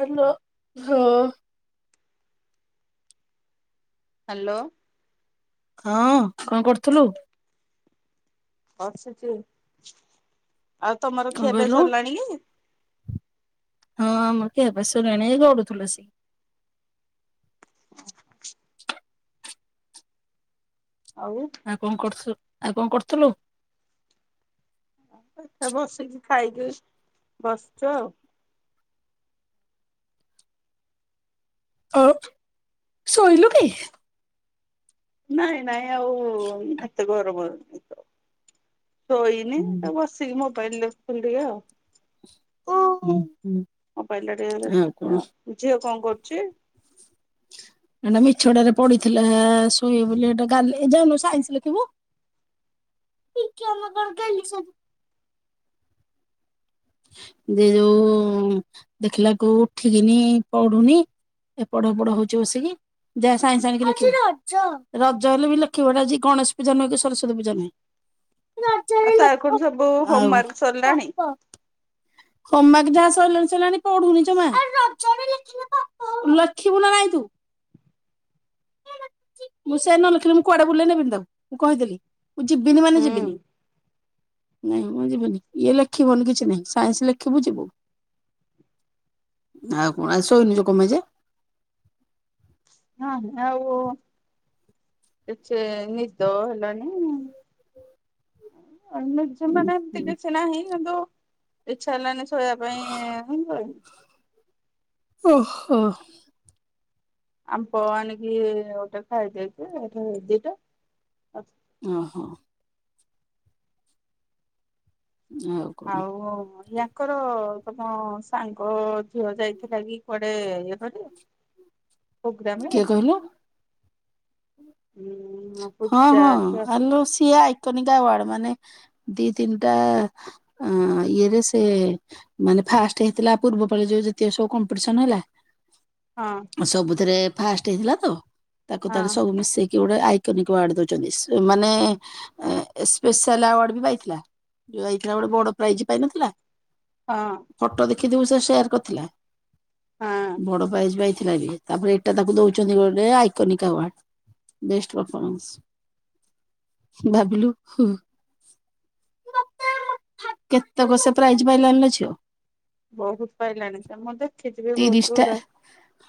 Hello ହଁ। Hello. ହଁ କଂ କର୍ଥୁଲୁ। ବସିଚୁ। ଆଉ ତମର କଣ ଖିଆ କହିଲୁ ପିଆ ହଁ ସରିଲାଣି କି। ହଁ ଆମର ଖିଆପିଆ ସରିଲାଣି ଗଡୁଥିଲୁ ଆସିକି। ଆଉ। ଆଉ କଣ କର୍ଥୁ ଆଉ କଣ କର୍ଥୁଲୁ। [unintelligible] ଖାଇକି ବସିଛୁ ଆଉ। ଆଁ ଶୋଇଲୁ କି। ନାଇଁ ନାଇଁ ଆଉ ଏତେ ଗରମ ତ ଶୋଇନି ତ ସେଇ ମୋବାଇଲ ଦେଖୁଥିଲି ଟିକେ ଆଉ। ଓହୋ। ମୋବାଇଲ ଟିକେ ଦେଲେ [unintelligible] ଝିଅ କଣ କରୁଚି। ଏଇଟା ମିଛଟାରେ ପଡିଥିଲା ଶୋଇବ ବୋଲି ଏଟା ଗାଲେଇ ଯାଉନୁ ସାଇନ୍ସ ଲେଖିବୁ। [inaudible] ଯେ ଯୋଉ ଦେଖିଲା କୁ ଉଠିକିନି ପଡୁନି। ଏପଡ ହେପଡ଼ ହଉଚି ବସିକି। ଯା ସାଇନସ୍ସ ଆଣିକି ଲେଖବୁ। ରଜ ହେଲେ ବି ଲେଖିବୁ ଆଜି ଗଣେଶ୍ ପୂଜା ନୁହେଁ କି ସରସ୍ଵତୀଜା ନୁହେଁ। ଆଉ ରଜରେ ତାର ଲେଖ। କଣ ସବୁ ଆଉ ହୋମ୍ୱାର୍କ ସରିଲାଣି? ହୋମୱାର୍କ ଯାହା ସଇଲାଣି ସଇଲାଣି ପଢୁନି ଜମା। ଲେଖିବୁ ନା ନାଇଁ ତୁ। ମୁଁ ସେ ନଲେଖିଲେ ମୁଁ କୁଆଡେ ବୁଲେଇ ନେବିନି ତାକୁ ମୁଁ କହିଦେଲି, ମୁଁ ଯିବିନି ମାନେ ହୁଁ ଯିବିନି। ନାଇଁ ମୁଁ ଯିବିନି ଇଏ ଲେଖିବୁନି କିଛି ନାଇଁ ସାଇନ୍ସ ଲେଖିବୁ ଯିବୁ। ଆଉ କଣ ଆ ଶୋଇନଜେ କମ୍ପାଇ ଯେ। ହଁ ଆଉ। ଏଚେ ନିଦ ହେଲାନି। [unintelligible] ଏମିତି କିଛି ନାଇଁ କିନ୍ତୁ ଇଚ୍ଛା ହେଲାନି ସୋ ଇବା ପାଇଁ [unintelligible] ଓହୋ। ଆମ୍ ପ ଆଣିକି ଗୋଟେ ଖାଇଦେଇଚି ହେଟୁ ଦିଟା ଓହୋ। ଆଉ। କଣ ଆଉ ୟାଙ୍କର ତମ ସାଙ୍ଗ ଝିଅ ଯାଇଥିଲା କି। କୁଆଡ଼େ ୟେକରି କିଏ ପୋଗ୍ରାମ୍ରେ। କହିଲ? ହୁଁ। ହଁ ହଁ ଆଲୋ ସିଏ ଆଇକନିକା ୱାଡ୍ ମାନେ ଦି ତିନ୍ଟା ଆଁ ଇଏରେ ସେ ମାନେ ଫାଷ୍ଟ ହେଇଥିଲା ପୂର୍ବ ପାଳିର ଯେତିକ ସବୁ କମ୍ପିଟିସନ ହେଲା। ହଁ। ସବୁଥିରେ ଫାଷ୍ଟ ହେଇଥିଲା ତ ତାକୁ ହଁ ତାରେ ସବୁ ମିଶେଇକି ଗୋଟେ ଆଇ କେନିକି ୱାଡ୍ ଦୋଉଚନ୍ତି ସେ ମାନେ ଏ ଏସପେସାଲ ଆୱାଡ୍ ବି ପାଇଥିଲା। ଯୋଉ ଆଇଥିଲା ଗୋଟେ ବଡ ପ୍ରାଇଜ ପାଇନଥିଲା? ହଁ। ଫଟୋ ଦେଖିଥିବୁ ସେ ସେୟାର କରିଥିଲା ହଁ ବଡ ପ୍ରାଇଜ ପାଇଥିଲା ବି। ତାପରେ ଏଟା ତାକୁ ଦୋଉଚନ୍ତି ଗୋଟେ ଆଇକନିକ୍ ଆୱାର୍ଡ୍ ବେଷ୍ଟ୍ ପଫୋମାନସ୍ ଭାବିଲୁ କେତେକ ସେ ପ୍ରାଇଜ୍ ପାଇଲାଣିି ଲୋ ଝିଅ। ବୋହୁତ ପାଇଲାଣି ସେ ମତେ ତିରିିଶଟା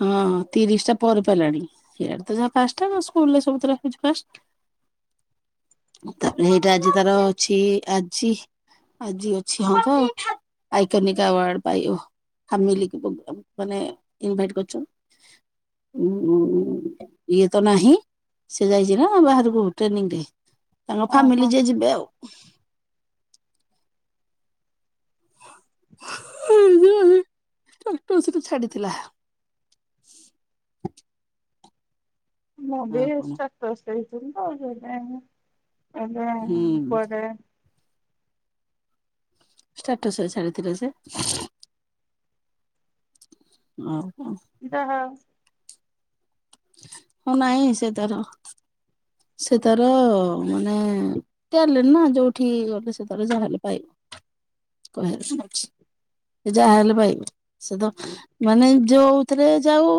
ହଁ ତିରିଶଟା ପରେ ପାଇଲାଣି ସିଆଡେ ତ ଯାହା ପାଞ୍ଚଟା ନହ ସ୍କୁରରେ ସବୁଥିରେ ହୋଉଚି ଫାଷ୍ଟ। ତାପରେ ଏଇଟା ଆଜି ତାର ଅଛି ଆଜି ଆଜି ଅଛି ହଁ ତ ଆଇକନିକ୍ ଆୱାର୍ଡ୍ ପାଇବ ଫ୍ୟାମିଲିକି ପୋ ମାନେ ଇନଭାଇଟ କରଚୁଁ। ଉଁ ଇଏ ତ ନାହିଁ ସେ ଯାଇଚି ନା ବାହାରକୁ ଟ୍ରେନିଂରେ ତାଙ୍କ ଓହୋ ଫାମିଲି ଯିଏ ଯିବେ ଆଉ। ଉଁ ହୁଁ ହୁଁ [unintelligible] ସହିତ ଛାଡିଥିଲା। [unintelligible] ମୁଁ ବି ଆଉ ଏ କଣ ଷ୍ଟାଟସ୍ ଦେଇଥିଲି ତ ସେଇଥିପାଇଁ ମୁଁ ଏବେ ହୁଁ ପରେ ଷ୍ଟାଟସରେ ଛାଡିଥିଲା ସେ। ଓହୋ। ଯାହା ହଁ ନାଇଁ ସେ ତାର ସେ ତାର ମାନେ ପଚାରଲେ ନା ଯୋଉଠି ଗଲେ ସେ ତାର ଯାହାହେଲେ ପାଇବ କହିବାର କଣ ଅଛି। ସେ ଯାହା ହେଲେ ପାଇବ ସେ ତ ମାନେ ଯୋଉଥିରେ ଯାଉ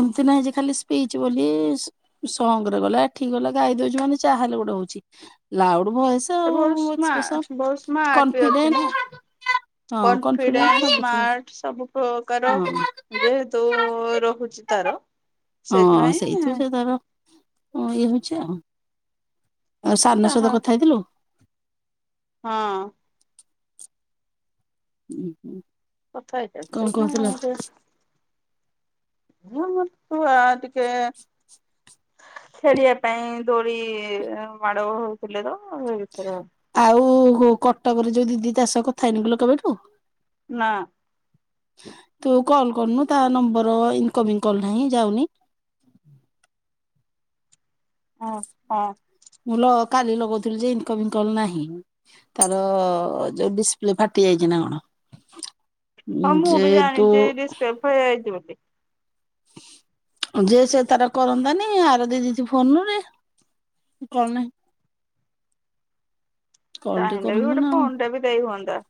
ଏମିତି ନାହିଁ ଯେ ଖାଲି ସ୍ପିଚ ବୋଲି ସଙ୍ଗରେ ଗଲା ଏଠି ଗଲା ଗାଇ ଦୋଉଚି ମାନେ ଯାହା ହେଲେ ଗୋଟେ ହୋଉଚି ଲାଉଡ ଭଏସ୍ ସେ ଆଉ ବହୁତ ସ୍ମା ଏକ୍ସପେସର୍ ବହୁତ ସ୍ମାର୍ଟ ବି ଅଛି ନା କନଫିଡେଣ୍ଟ୍ ହଁ କନଫିଡେଣ୍ଟ୍ କନଫିଡେନ୍ସ ସବୁଥିରେ। ସ୍ମାର୍ଟ ସବୁ ପ୍ରକାର ହଁ। ଯେହେତୁ ରହୁଚି ତାର ସେଇଥିପାଇଁ ସେଇଥିରୁ ସେ ତାର ହଁ ଇଏ ହୋଉଚି ଆଉ ଆଉ ସାନ ତାହା ସହିତ କଥା ହେଇଥିଲୁ? ହଁ। ଉଁ ହୁଁ। କଥା ହେଇକି ଆସିଲି ମୁଁ ଯେ [unintelligible] ତୁ ଆ ଟିକେ ଖେଳିବା ପାଇଁ ଦୋଳି ମାଡଗୋଳ ହୋଉଥୁଲେ ତ ଏ ବିଷୟରେ ଆଉ ଗୋ କଟକରେ ଯୋଉ ଦିଦି ତା ସହ କଥା ହେଇନୁ କିଲୋ କେବେଠୁ? ନା। ତୁ କଲ୍ କରୁନୁ ତା ନମ୍ବର ଇନକମିଂ କଲ୍ ନାହିଁ ଯାଉନି। ଓ ହଁ। ମୁଁ ଲୋ କାଲି ଲଗୋଉଥିଲି ଯେ ଇକନିମିଙ୍ଗ କଲ ନାହିଁ। ତାର ଯୋଉ ଡିସପ୍ଲେ ଫାଟି ଯାଇଚି ନା କଣ? ହଁ ମୁଁ ବି ଯେହେତୁ ଜାଣିଚି ଡିସପ୍ଲେ ଫେ ଯାଇଚି ବୋଲି। ଯେ ସେ ତାରା କରନ୍ତାନି ଆର ଦିଦି ତି ଫୋନରେ। କରୁନେହିଁ। ତାହେଲେ କଲ୍ ଟେ ବି କରନ୍ତୁ ଗୋଟେ ନା ଆଉ। ଫୋନଟେ ବି ଦେଇ ହୁଅନ୍ତା।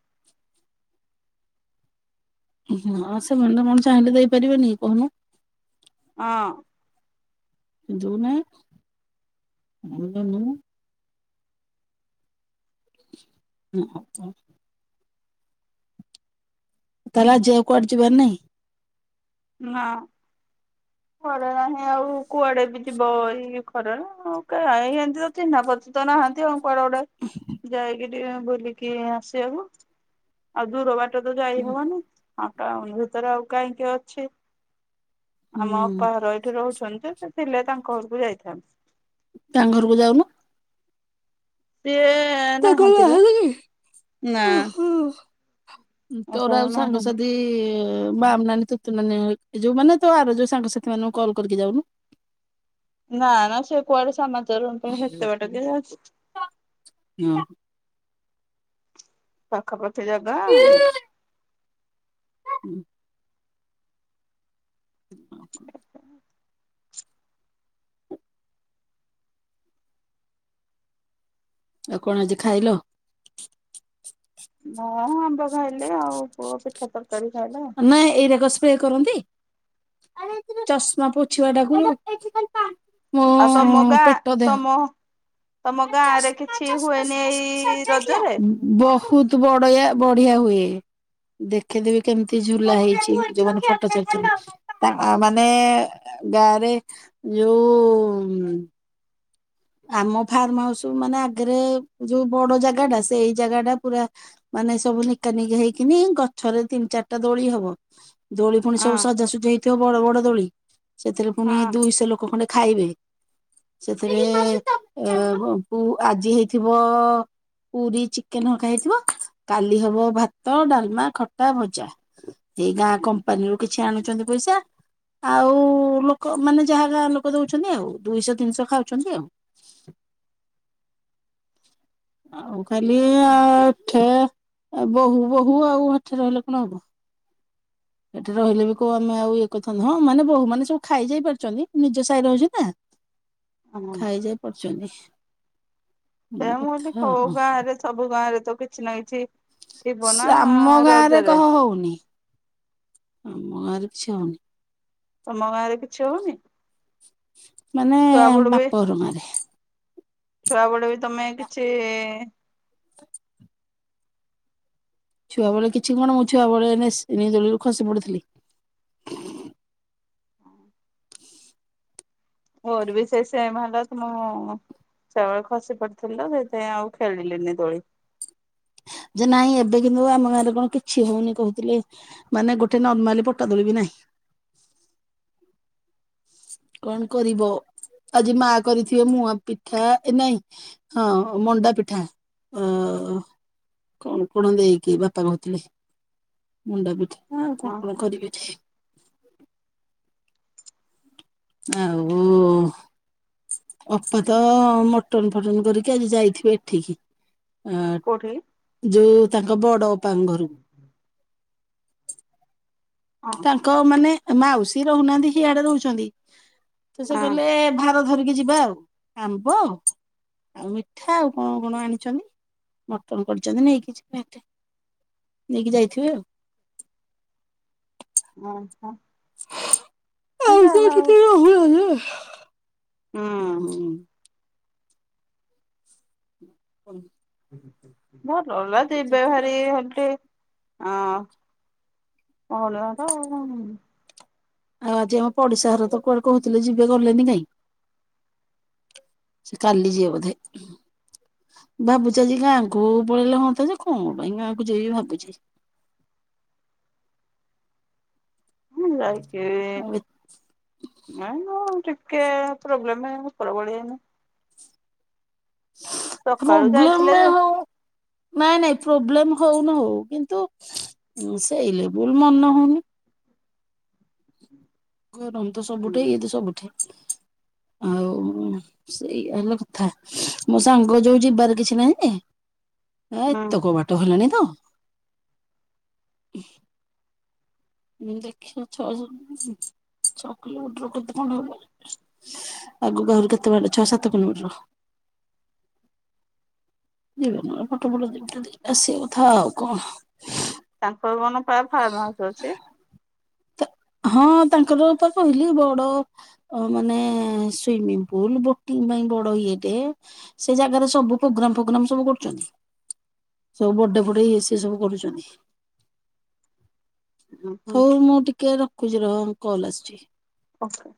ହଁ ସେମାନେ କଣ ଚାହିଁଲେ ଦେଇପାରିବେନି କହୁନ? ହଁ। ଯୋଉନା [inaudible] [unintelligible] ହ ହ ତ [unintelligible] ତାହେଲେ ଆଜି ଆଉ କୁଆଡେ ଯିବାର ନାଇଁ? ନାଁ କୁଆଡେ ନାହିଁ ଆଉ କୁଆଡେ ବି ଯିବ ଏଇ ଖରାରେ ଉଁ କାଇଁ ହେମତି ତ ଚିହ୍ନାପରିଚତ ନାହାଁନ୍ତି ଆଉ କୁଆଡେ ଗୋଟେ ଯାଇକି ବୁଲିକି ଆସିବାକୁ ଆଉ ଦୂର ବାଟ ତ ଯାଇ ହବନି। ଆଉ ଟାଉନ ଭିତରେ ଆଉ କାଇଁ କିଏ ଅଛି? ଆମ ଅପା ହୁଁ ଘର ଏଇଠି ରହୁଛନ୍ତି ସେ ଥିଲେ ତାଙ୍କ ଘରକୁ ଯାଇଥାନ୍ତି। ତାଙ୍କ ଘରକୁ ଯାଉନ? ସିଏ ତାଙ୍କର ନାହାନ୍ତି ବା। ନାଁହାନ୍ତି କି? ନା। ଓହୋ ଅପା ତୋର ଘର ଆଉ ସାଙ୍ଗ ନାହାନ୍ତି ସାଥି ଇ ବାମ ନାନୀ ତୁତୁ ନାନୀ ଯୋଉ ମାନେ ତୋ ଆର ଯୋଉ ସାଙ୍ଗସାଥି ମାନଙ୍କୁ କଲ କରିକି ଯାଉନୁ! ନା ନା ସେ କୁଆଡେ ସାନଚରଣ ପୁର ହେତେବାଟ କିଏ ଜାଉଛି। ହୁଁ [unintelligible] ପାଖାପାଖି ଜାଗା ଅଁ ହୁଁ [unintelligible] ଆା [inaudible] ଆଉ କଣ ଆଜି ଖାଇଲ? ମୁଁ ଆମ୍ବ ଖାଇଲି ଆଉ ପୁଅ ପିଠା ତର ମାନେ ଏଇରାକ ସ ଇଏ କରନ୍ତି ଚଷମା ପୋଛିବା ଟାକୁ- ଆଉ ତମ ମୋ ଗାଁ ପେଟ ଦେହ ତମ ତମ ଗାଁ ଆଡେ କିଛି ହୁଏନି ଏଇ ରଜରେ? ବହୁତ ବଡେଆ ବଢିଆ ହୁଏ। ଦେଖେଇଦେବି କେମିତି ଝୁଲା ହେଇଛି ଯୋଉମାନେ ଫଟୋ ଛାଡିଛନ୍ତି ତାଙ୍କ ମାନେ ଏ ଗାଁ ରେ ଯୋଉ ଆମ ଫାର୍ମ ହାଉସ ମାନେ ଆଗେରେ ଯଉ ବଡ ଜାଗାଟା ସେଇ ଜାଗା ଟା ପୁରା ମାନେ ସବୁ ନିକାନିକି ହେଇକିନି ଗଛରେ ତିନି ଚାରିଟା ଦୋଳି ହବ। ଦୋଳି ଫୁଣି ହଁ ସବୁ ସଜାସଜି ହେଇଥିବ ବଡ ବଡ ଦୋଳି ସେଥିରେ ପଫୁଣି ହଁ ଦୁଇଶ ଲୋକ ଖଣ୍ଡେ ଖାଇବେ ସେଥିରେ ଏ ପୁ ଆଜି ହେଇଥିବ ପୁରୀ ଚିକେନ ହକା ହେଇଥିବ କାଲି ହବ ଭାତ ଡାଲମା ଖଟା ଭଜା ଏଇ ଗାଁ କମ୍ପାନୀରୁୁ କିଛି ଆଣୁଛନ୍ତି ପଇସା ଆଉ ଲୋକ ମାନେ ଯାହା ଯାହା ଲୋକ ଦଉଛନ୍ତି ଆଉ ଦୁଇଶହ ତିନିଶହ ଖାଉଛନ୍ତି ଆଉ। ଆଉ ଖାଲି ଏଠେ ବୋହୂ ବୋହୂ ଆଉ ହେଠେ ରହିଲେ କଣ ହବ ଏଠେ ରହିଲେ ବି କୋଉ ଆମେ ଆଉ ଇଏ କରିଥାନ୍ତୁ ହଁ ମାନେ ବହୁ ମାନେ ସବୁ ଖାଇ ଯାଇ ପାରୁଛନ୍ତି ନିଜ ସାଇରେ ହଉ ଛି ନା ହଁ ଖାଇଯାଇ ପାରୁଛନ୍ତି। ଏଏରା ମୁଁ ଏନ୍ତି କୋଉ ଗାଁ ରେ ସବୁ ଗାଁ ରେ ତ କିଛି ନା କିଛି ଥିବ ନା ଆମ ଆ ଗାଁରେ ରଜରେ କହ ହଉନି ଆମ ଘାଁରେ କିଛି ହଉନି ତମ ଗାଁ ରେ କିଛି ହଉନି? ମାନେ ଛୁଆ ବି ବାପ ଘର ଗାଁରେ ଛୁଆ ବେଳୁ ବି ତମେ କିଛି ଛୁଆବେଳେ କିଛି କଣ ମୁଁ ଛୁଆବେଳେ ନେସିଣି ଦୋଳିରୁ ଖସି ପଡିଥିଲି। ମୋର ବି ସେଇ ସେମ୍ ହବ ତୁମ ମ ସେ ଖସି ପଡିଥିଲା ସେଇଥିପାଇଁ ଆଉ ଖେଳିଲିନି ଦୋଳି। ଯେ ନାଇଁ ଏବେ କିନ୍ତୁ ଆମ ଗାଁରେ କଣ କିଛି ହଉନି କହୁଥିଲେ। ମାନେ ଗୋଟେ ନର୍ମାଲି ପଟାଦୋଳି ବି ନାହିଁ। କଣ କରିବ, ଆଜି ମା କରିଥିବେ ମୁଆଁ ପିଠା, ଏ ନାଇଁ ହଁ ମୁଣ୍ଡା ପିଠା ଅ, କଣ କଣ ଦେଇକି ବାପା କହୁଥିଲେ ମଣ୍ଡା ପିଠା ଆଉ କଣ ହଁ କଣ ହଁ କରିବେ ଯେ। ଆଉ ଉ, ଅପା ତ ମଟନ୍ ଫଟନ କରିକି ଆଜି ଯାଇଥିବେ ଏଠିକି ଅଁ, କୋଉଠିକି? ଯେ ତାଙ୍କ ବଡ ଅପାଙ୍କ ଘର। ହୁଁ। ହଁ ହଁ ତାଙ୍କ ମାନେ ମାଉସୀ ରହୁନାହାନ୍ତି ସିଆଡେ ରହୁଛନ୍ତି। ତ ସେ ଗଲେ ହଁ ଭା ତ ଧରିକି ଯିବା ଆଉ ଆମ୍ବ ଆଉ ମିଠା ଆଉ କଣ କଣ ଆଣିଛନ୍ତି ମଟନ୍ କରିଚନ୍ତି ନେଇକି ଯିବେ ସେଠି। ନେଇକି ଯାଇଥିବେ ଆଉ। ଅ, ହଁ। ହଁ ଏଇ ଯାହା ସେ [inaudible] ହଉ ହୁଏ ହୁଏ। ହୁଁ [unintelligible] ଭଲ ଭଲରେ ଯିବେ ଭାରି ହେଟି ଅଁ, ବହୁତୁ ବାଟ ଆଉ କଣ ଯିମି। ଆଜି ଆମ ପଡିଶା ଘର ତ କୁଆଡେ କହୁଥିଲେ ଯିବେ ଗଲେନି କାଇଁ। ସେ କାଲି ଯିିବ ବୋଧେ। ଭାବୁଛି ଆଜି ଗାଁକୁ ପଳେଇଲେ ହଅନ୍ତା ଯେ କଣ ପାଇଁ ଗାଁକୁ ଯିବି ଭାବୁଛି। ମୁଁ ଯାଇଥିଲି ଆଉ ନା ଯେ ଟିକେ ପ୍ରୋବ୍ଲେମ୍ [unintelligible] ସକାଳୁ ପ୍ରୋବ୍ଲେମ୍ ଯାଇଥିଲେ ମେ ଯେ ହଉ ନାଇଁ, ନାଇଁ ପ୍ରୋବ୍ଲେମ୍ ହଉ ନ ହଉ କିନ୍ତୁ ଉଁ, ସେଇ ଲେବୁଲ୍ ମନ ହଉନି। ଗରମ ତ ସବୁଠେଇ ଇଏ ତ ସବୁଠେ ଆଉ ଉଁ, ସେଇ ହେଲା କଥା ମୋ ସାଙ୍ଗ ଯୋଉ ଯିବାର କିଛି ନାହିଁ ଯେ। ଏ ହୁଁ ଏତକ ବାଟ ହେଲାଣିି ତ। ମୁଁ ଦେଖେ ଲ ଛଅ ଜଣ [unintelligible] ଚକୋଲଟ ରକ ତ ଢାଳିଦେଲେ। ଆଗକୁ ଆହୁରି କେତେ ବାଟ ଛଅ ସାତ କିଲୋମିଟର। ଯିବ କଣ ଫଟୋ ଫଟୋ ଯେ ଉଠେଇ ଦେଇକି ଆସିବା କଥା ଆଉ କଣ। ତାଙ୍କର କନ ପ୍ରାୟ ଫାର୍ମ ହାଉସ୍ ଅଛି? ହଁ ତାଙ୍କର ତ କହିଲି ବଡ ଅ, ମାନେ ସୁଇମିଂ ପୁଲ୍ ବୋଟିଂ ପାଇଁ ବଡ ଇଏଟେ ସେ ଜାଗାରେ ସବୁ ପୋଗ୍ରାମ୍ ଫୋଗ୍ରାମ ସବୁ କରୁଛନ୍ତି। ସବୁ ବଡେ ଫଡେ ଇଏ ସିଏ ସବୁ କରୁଛନ୍ତି। ହୁଁ ହୁଁ ହଉ ମୁଁ ଟିକେ ରଖୁଚି ରହ କଲ୍ ଆସୁଛି। ଓକେ।